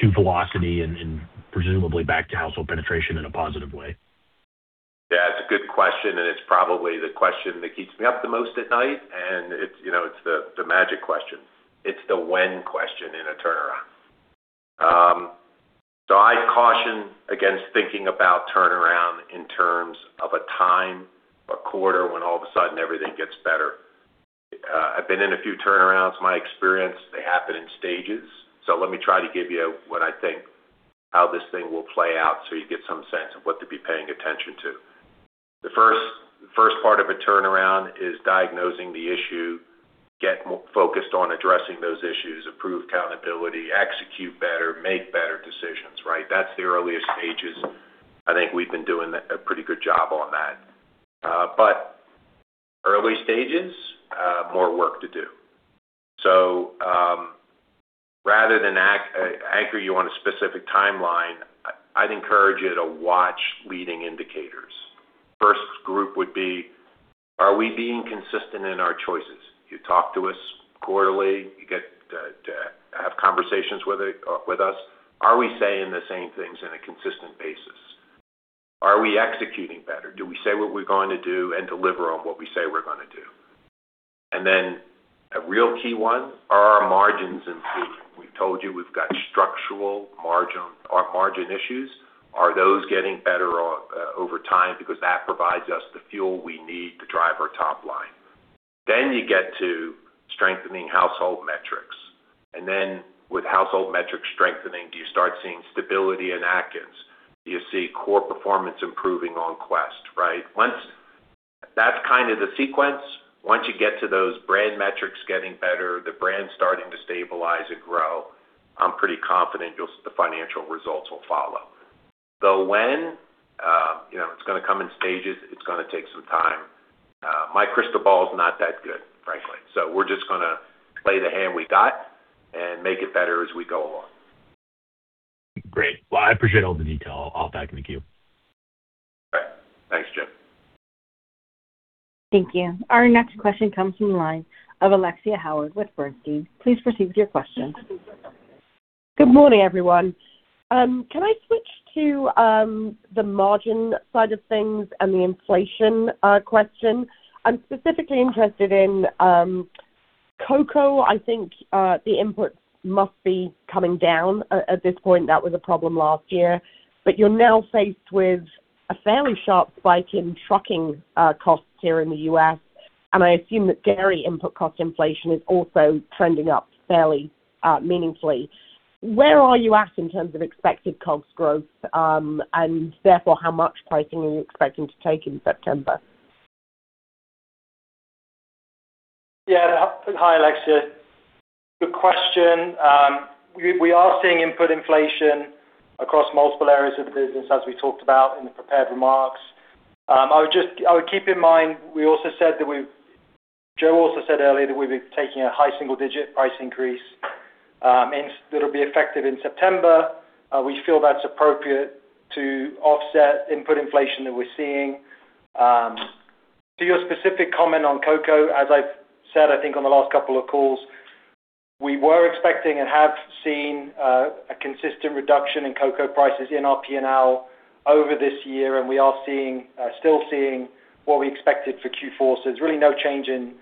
to velocity and presumably back to household penetration in a positive way? Yeah. It's a good question, and it's probably the question that keeps me up the most at night, and it's the magic question. It's the when question in a turnaround. I caution against thinking about turnaround in terms of a time, a quarter when all of a sudden everything gets better. I've been in a few turnarounds. My experience, they happen in stages. So, let me try to give you what I think how this thing will play out so you get some sense of what to be paying attention to. The first part of a turnaround is diagnosing the issue, get focused on addressing those issues, improve accountability, execute better, make better decisions, right? That's the earliest stages. I think we've been doing a pretty good job on that. But early stages, more work to do. So, rather than anchor you on a specific timeline, I'd encourage you to watch leading indicators. First group would be, are we being consistent in our choices? You talk to us quarterly, you get to have conversations with us. Are we saying the same things in a consistent basis? Are we executing better? Do we say what we're going to do and deliver on what we say we're going to do? Then, a real key one, are our margins improving? We've told you we've got structural margin issues. Are those getting better over time? Because that provides us the fuel we need to drive our top line. Then you get to you get to strengthening household metrics. Then, with household metrics strengthening, do you start seeing stability in Atkins? Do you see core performance improving on Quest, right? That's kind of the sequence. Once you get to those brand metrics getting better, the brand starting to stabilize and grow, I'm pretty confident the financial results will follow. The when, it's going to come in stages, it's going to take some time. My crystal ball's not that good, frankly. So, we're just going to play the hand we got and make it better as we go along. Great. Well, I appreciate all the detail. I'll back in the queue. All right. Thanks, Jim. Thank you. Our next question comes from the line of Alexia Howard with Bernstein. Please proceed with your question. Good morning, everyone. Can I switch to the margin side of things and the inflation question? I'm specifically interested in cocoa. I think the inputs must be coming down at this point. That was a problem last year. But you're now faced with a fairly sharp spike in trucking costs here in the U.S., and I assume that dairy input cost inflation is also trending up fairly meaningfully. Where are you at in terms of expected COGS growth? And therefore, how much pricing are you expecting to take in September? Hi, Alexia. Good question. We are seeing input inflation across multiple areas of the business, as we talked about in the prepared remarks. I would keep in mind, we also said that we, Joe also said earlier that we'd be taking a high single-digit price increase that'll be effective in September. We feel that's appropriate to offset input inflation that we're seeing. To your specific comment on cocoa, as I've said, I think on the last couple of calls, we were expecting and have seen a consistent reduction in cocoa prices in our P&L over this year, and we are still seeing what we expected for Q4. So, there's really no change in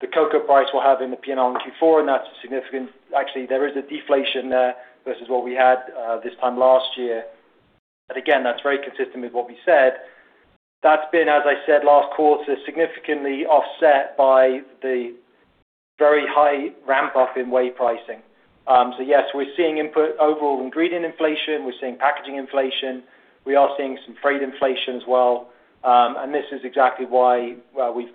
the cocoa price we'll have in the P&L in Q4, and that's a significant, actually, there is a deflation there versus what we had this time last year. Again, that's very consistent with what we said. That's been, as I said last quarter, significantly offset by the very high ramp-up in whey pricing. Yes, we're seeing input overall ingredient inflation, we're seeing packaging inflation, we are seeing some freight inflation as well. This is exactly why we've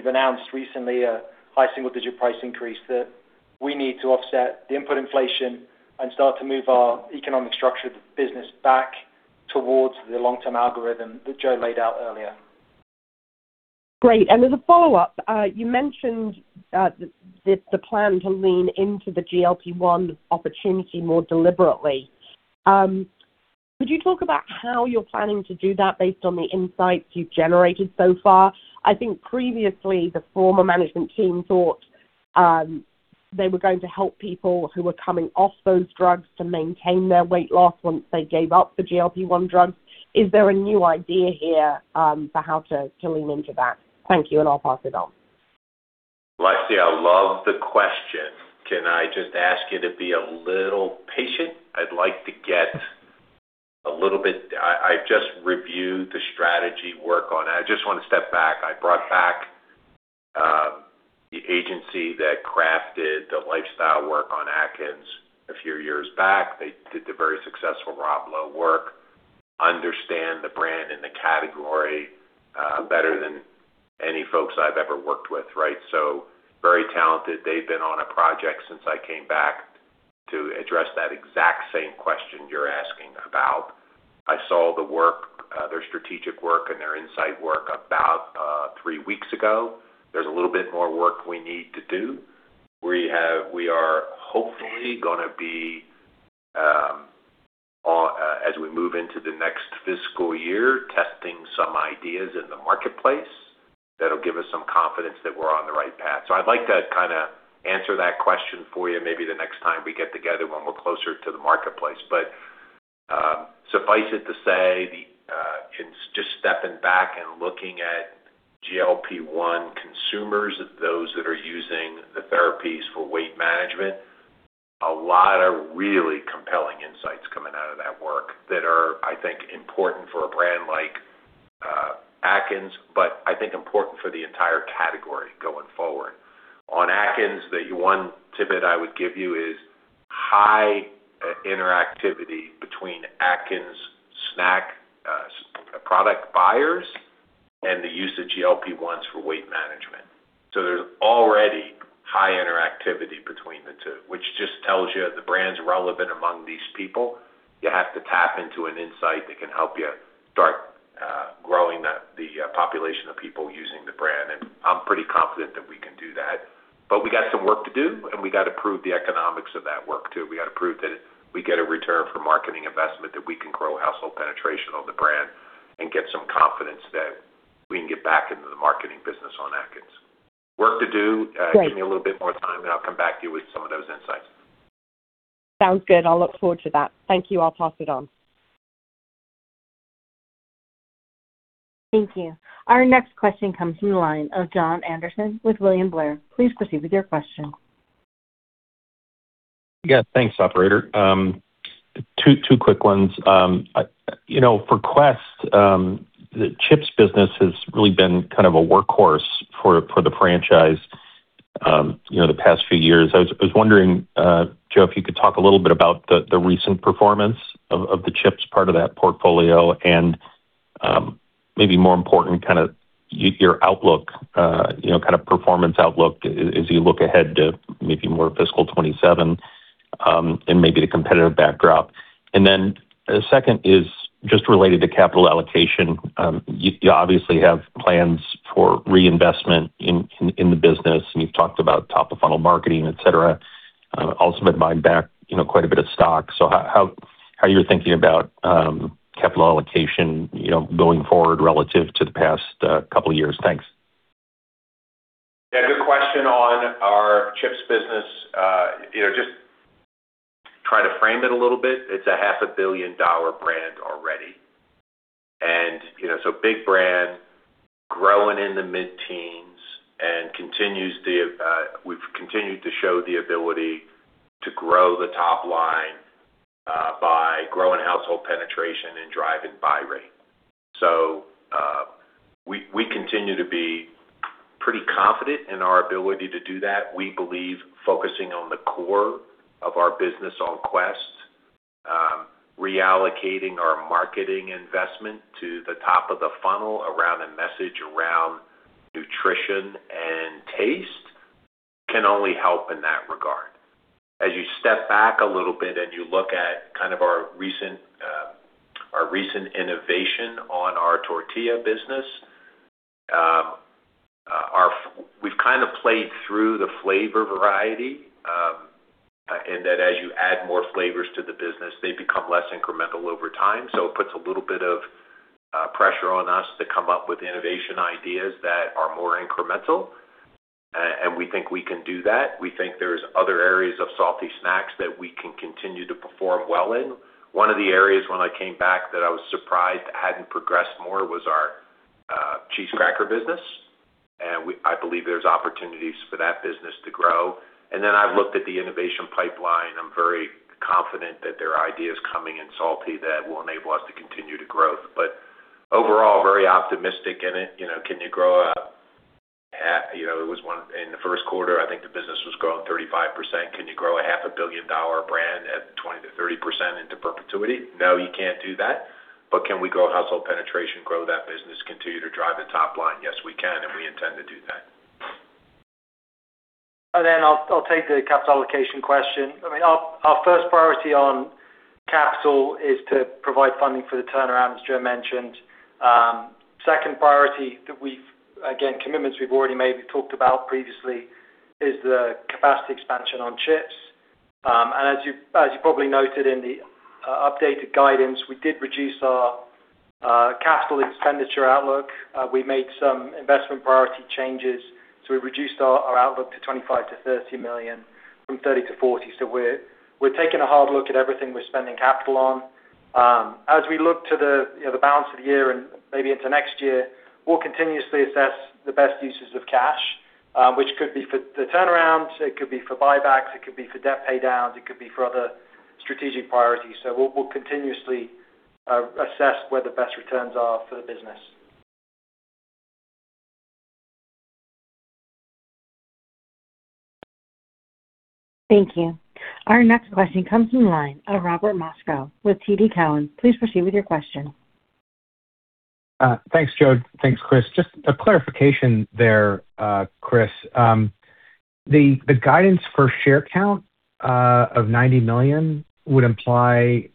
announced recently a high single-digit price increase, that we need to offset the input inflation and start to move our economic structure of the business back towards the long-term algorithm that Joe laid out earlier. Great. As a follow-up, you mentioned the plan to lean into the GLP-1 opportunity more deliberately. Could you talk about how you're planning to do that based on the insights you've generated so far? I think previously the former management team thought they were going to help people who were coming off those drugs to maintain their weight loss once they gave up the GLP-1 drugs. Is there a new idea here for how to lean into that? Thank you, and I'll pass it on. Alexia, I love the question. Can I just ask you to be a little patient? I'd like to get a little bit, I've just reviewed the strategy, work on it. I just want to step back. I brought back the agency that crafted the lifestyle work on Atkins a few years back. They did the very successful Rob Lowe work, understand the brand and the category better than any folks I've ever worked with, right? So, very talented. They've been on a project since I came back to address that exact same question you're asking about. I saw their strategic work and their insight work about three weeks ago. There's a little bit more work we need to do. We are hopefully going to be, as we move into the next fiscal year, testing some ideas in the marketplace that'll give us some confidence that we're on the right path. I'd like to kind of answer that question for you maybe the next time we get together when we're closer to the marketplace. But suffice it to say, in just stepping back and looking at GLP-1 consumers, those that are using the therapies for weight management, a lot of really compelling insights coming out of that work that are, I think, important for a brand like Atkins, but I think important for the entire category going forward. On Atkins, the one tidbit I would give you is high interactivity between Atkins snack product buyers and the use of GLP-1s for weight management. There's already high interactivity between the two, which just tells you the brand's relevant among these people. You have to tap into an insight that can help you start growing the population of people using the brand, and I'm pretty confident that we can do that. We got some work to do, and we got to prove the economics of that work, too. We got to prove that we get a return for marketing investment, that we can grow household penetration on the brand and get some confidence that we can get back into the marketing business on Atkins. Work to do. Great. Give me a little bit more time, and I'll come back to you with some of those insights. Sounds good. I'll look forward to that. Thank you. I'll pass it on. Thank you. Our next question comes from the line of Jon Andersen with William Blair. Please proceed with your question. Yeah. Thanks, operator. Two quick ones. For Quest, the chips business has really been kind of a workhorse for the franchise the past few years. I was wondering, Joe, if you could talk a little bit about the recent performance of the chips part of that portfolio and maybe more important, your outlook, kind of performance outlook as you look ahead to maybe more fiscal 2027, and maybe the competitive backdrop. Then, the second is just related to capital allocation. You obviously have plans for reinvestment in the business, and you've talked about top-of-funnel marketing, et cetera. Also have bought back quite a bit of stock, so how are you thinking about capital allocation going forward relative to the past couple of years? Thanks. Yeah, good question on our chips business. Just try to frame it a little bit. It's a half a billion-dollar brand already. It's a big brand growing in the mid-teens, and we've continued to show the ability to grow the top line by growing household penetration and driving buy rate. We continue to be pretty confident in our ability to do that. We believe focusing on the core of our business on Quest, reallocating our marketing investment to the top of the funnel around a message around nutrition and taste can only help in that regard. As you step back a little bit and you look at kind of our recent innovation on our tortilla business, we've kind of played through the flavor variety, and that as you add more flavors to the business, they become less incremental over time. It puts a little bit of pressure on us to come up with innovation ideas that are more incremental, and we think we can do that. We think there's other areas of salty snacks that we can continue to perform well in. One of the areas when I came back that I was surprised hadn't progressed more was our cheese cracker business, and I believe there's opportunities for that business to grow. And I've looked at the innovation pipeline. I'm very confident that there are ideas coming in salty that will enable us to continue to grow. Overall, very optimistic in it. In the first quarter, I think the business was growing 35%. Can you grow a half a billion-dollar brand at 20%-30% into perpetuity? No, you can't do that. But can we grow household penetration, grow that business, continue to drive the top line? Yes, we can, and we intend to do that. I'll take the capital allocation question. I mean, our first priority on capital is to provide funding for the turnaround, as Joe mentioned. Second priority that we've, again, commitments we've already made, we talked about previously, is the capacity expansion on chips. As you probably noted in the updated guidance, we did reduce our capital expenditure outlook. We made some investment priority changes, so we reduced our outlook to $25 million-$30 million from $30 million-$40 million. We're taking a hard look at everything we're spending capital on. As we look to the balance of the year and maybe into next year, we'll continuously assess the best uses of cash, which could be for the turnarounds, it could be for buybacks, it could be for debt pay downs, it could be for other strategic priorities. We'll continuously assess where the best returns are for the business. Thank you. Our next question comes from the line of Robert Moskow with TD Cowen. Please proceed with your question. Thanks, Joe. Thanks, Chris. Just a clarification there, Chris. The guidance for share count of 90 million would imply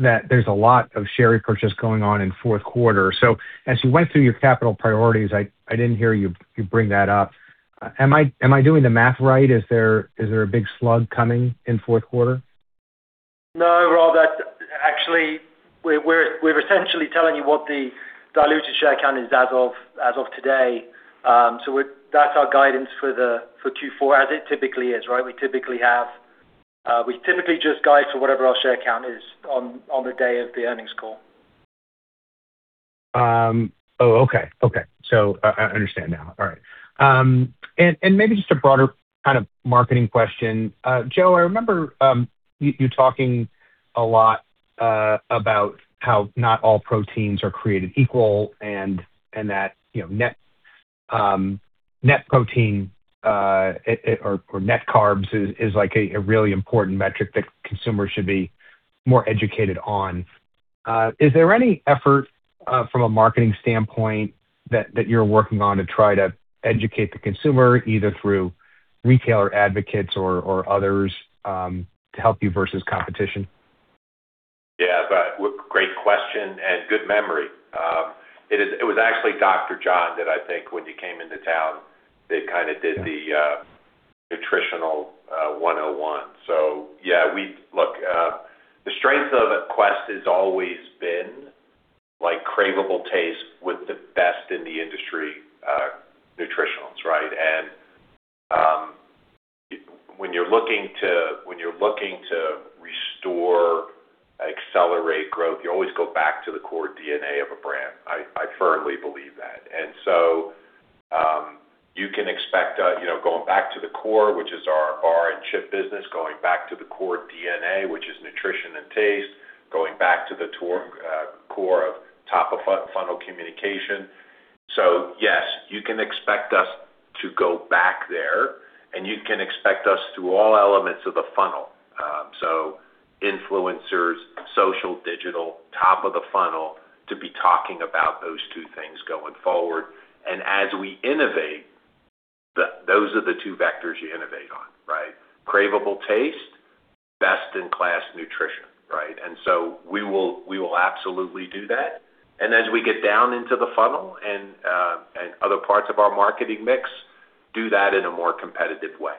that there's a lot of share repurchase going on in fourth quarter. As you went through your capital priorities, like, I didn't hear you bring that up. Am I doing the math right? Is there a big slug coming in fourth quarter? No, Robert, actually, we're essentially telling you what the diluted share count is as of today. That's our guidance for 2024 as it typically is, right? We typically just guide to whatever our share count is on the day of the earnings call. Oh, okay. I understand now. All right. Maybe just a broader kind of marketing question. Joe, I remember you talking a lot about how not all proteins are created equal and that net protein or net carbs is like a really important metric that consumers should be more educated on. Is there any effort from a marketing standpoint that you're working on to try to educate the consumer, either through retailer advocates or others, to help you versus competition? Great question and good memory. It was actually Dr. John that I think when you came into town that kind of did the nutritional 101. Yeah, look, the strength of Quest has always been, like, craveable taste with the best in the industry nutritionals. When you're looking to restore, accelerate growth, you always go back to the core DNA of a brand. I firmly believe that. So, you can expect us, going back to the core, which is our chip business, going back to the core DNA, which is nutrition and taste, going back to the core of top-of-funnel communication. Yes, you can expect us to go back there, and you can expect us through all elements of the funnel, so influencers, social, digital, top of the funnel to be talking about those two things going forward. And as we innovate, those are the two vectors you innovate on, right? Craveable taste, best-in-class nutrition. We will absolutely do that. As we get down into the funnel and other parts of our marketing mix, do that in a more competitive way.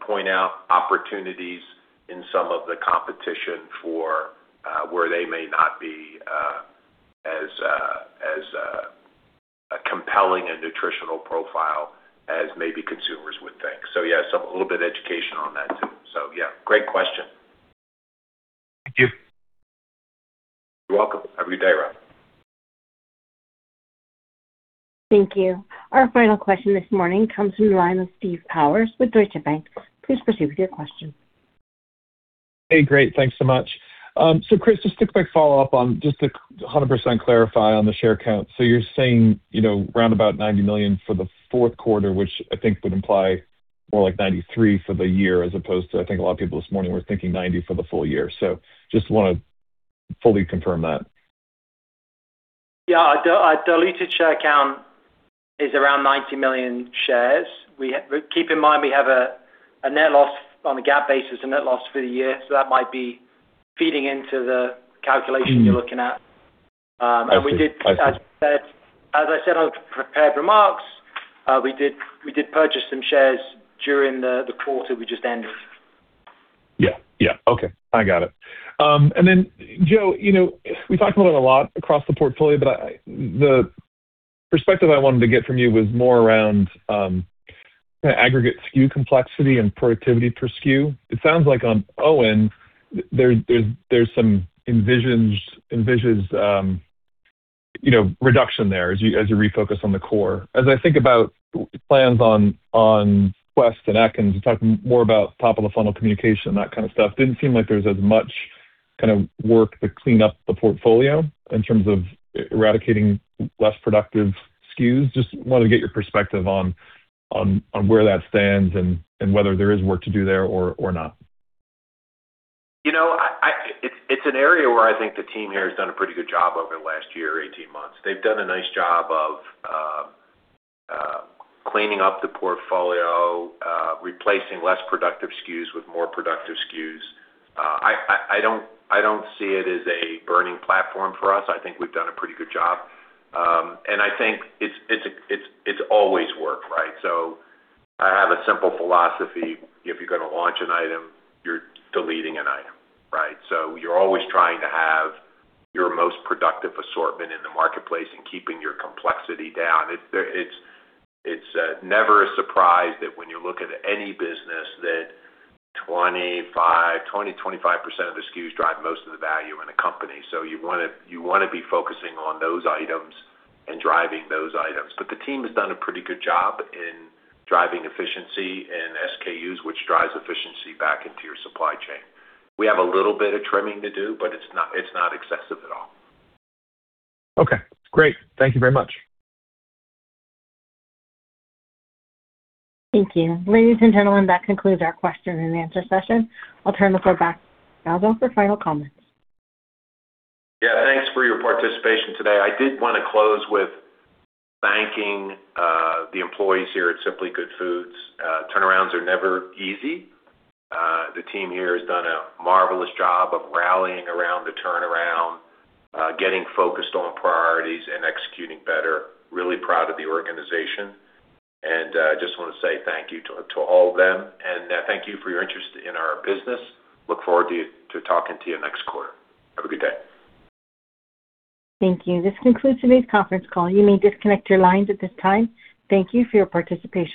Point out opportunities in some of the competition for where they may not be as compelling a nutritional profile as maybe consumers would think. So yes, a little bit of education on that too. So, yeah, great question. Thank you. You're welcome. Have a good day, Rob. Thank you. Our final question this morning comes from the line of Steve Powers with Deutsche Bank. Please proceed with your question. Hey, great. Thanks so much. Chris, just a quick follow-up on just to 100% clarify on the share count. You're saying round about 90 million for the fourth quarter, which I think would imply more like 93 million for the year, as opposed to, I think a lot of people this morning were thinking 90 million for the full year. Just want to fully confirm that. Yeah. Our diluted share count is around 90 million shares. Keep in mind, we have a net loss on the GAAP basis, a net loss for the year, that might be feeding into the calculation you're looking at. I see. As I said on the prepared remarks, we did purchase some shares during the quarter we just ended. Yeah. Okay. I got it. Then, Joe, we've talked about it a lot across the portfolio, but the perspective I wanted to get from you was more around kind of aggregate SKU complexity and productivity per SKU. It sounds like on OWYN, there's some envisioned reduction there as you refocus on the core. As I think about plans on Quest and Atkins, you're talking more about top-of-the-funnel communication and that kind of stuff. Didn't seem like there's as much work to clean up the portfolio in terms of eradicating less productive SKUs. Just wanted to get your perspective on where that stands and whether there is work to do there or not. It's an area where I think the team here has done a pretty good job over the last year or 18 months. They've done a nice job of cleaning up the portfolio, replacing less productive SKUs with more productive SKUs. I don't see it as a burning platform for us. I think we've done a pretty good job. I think it's always work. I have a simple philosophy. If you're going to launch an item, you're deleting an item, right? You're always trying to have your most productive assortment in the marketplace and keeping your complexity down. It's never a surprise that when you look at any business that 20%-25% of the SKUs drive most of the value in a company. You want to be focusing on those items and driving those items. The team has done a pretty good job in driving efficiency in SKUs, which drives efficiency back into your supply chain. We have a little bit of trimming to do, but it's not excessive at all. Okay, great. Thank you very much. Thank you. Ladies and gentlemen, that concludes our question-and-answer session. I'll turn the floor back to Joe Scalzo for final comments. Yeah, thanks for your participation today. I did want to close with thanking the employees here at Simply Good Foods. Turnarounds are never easy. The team here has done a marvelous job of rallying around the turnaround, getting focused on priorities, and executing better. Really proud of the organization, and I just want to say thank you to all of them and thank you for your interest in our business. Look forward to talking to you next quarter. Have a good day. Thank you. This concludes today's conference call. You may disconnect your lines at this time. Thank you for your participation.